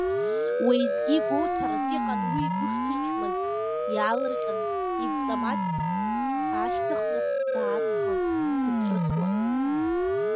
Уеизгьы игәоуҭаратә иҟан уи игәы шҭынчмыз, иаалырҟьаны ивтомат аашьҭыхны дааҵҟьон, дыҭрысуан…